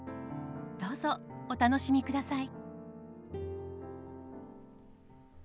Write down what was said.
どうぞお楽しみください。